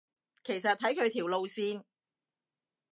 其實睇佢條路線